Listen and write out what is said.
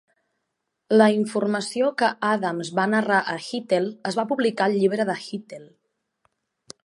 La informació que Adams va narrar a Hittell es va publicar al llibre de Hittell.